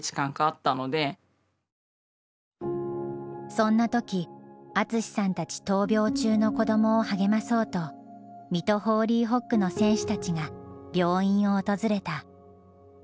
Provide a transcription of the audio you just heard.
そんな時淳さんたち闘病中の子どもを励まそうと水戸ホーリーホックの選手たちが病院を訪れた。